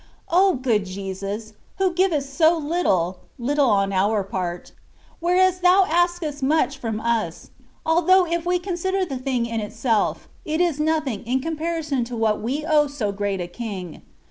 O good Jesus ! who givest so little (lit tle on our part), whereas thou askest much from us, although if we consider the thing in itself, it is nothing in comparison to what we owe so great a King.